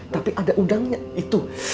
tapi ada udangnya itu